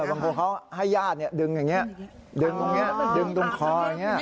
บางคนเขาให้ญาติดึงอย่างนี้ดึงตรงคออย่างนี้